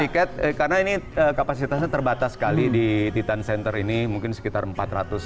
tiket karena ini kapasitasnya terbatas sekali di titan center ini mungkin sekitar empat ratus